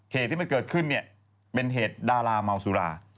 เหตุที่มันเกิดขึ้นเนี่ยเป็นเหตุดาราเมาสุรา